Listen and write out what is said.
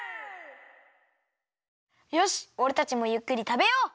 よしおれたちもゆっくりたべよう。